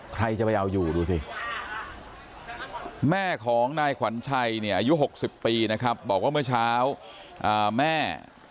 ใครจะไปเอาอยู่ดูสิแม่ของนายขวัญชัยเนี่ยอายุ๖๐ปีนะครับบอกว่าเมื่อเช้าแม่